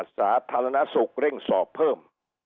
สาธารณสุขเร่งสอบเพิ่ม